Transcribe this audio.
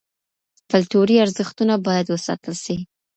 کلتوري ارزښتونه بايد وساتل سي.